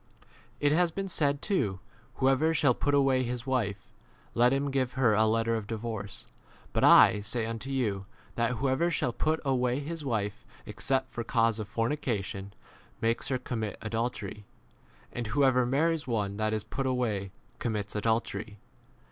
w 81 It has been said too, Whoever shall put away his wife, let him 32 give her a letter of divorce. But / say unto you, that whoever shall put away his wife except for cause of fornication makes her commit adultery, and whoever marries one that is put away commits 33 adultery.